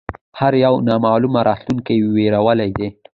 هر یو نامعلومه راتلونکې وېرولی دی